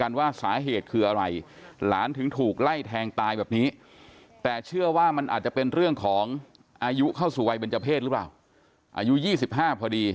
อายุเข้าสู่วัยเป็นเจ้าเพศหรือเปล่าอายุ๒๕พอดี